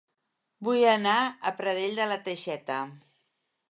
Vull anar a Pradell de la Teixeta